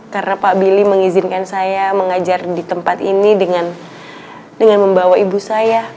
karena pak billy mengizinkan saya mengajar di tempat ini dengan membawa ibu saya